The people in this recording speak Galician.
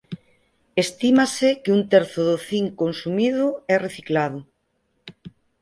Estímase que un terzo do cinc consumido é reciclado.